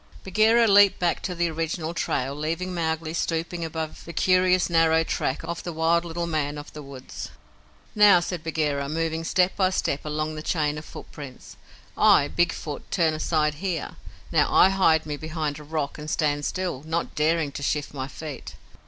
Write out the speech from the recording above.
Bagheera leaped back to the original trail, leaving Mowgli stooping above the curious narrow track of the wild little man of the woods. "Now," said Bagheera, moving step by step along the chain of footprints, "I, Big Foot, turn aside here. Now I hide me behind a rock and stand still, not daring to shift my feet.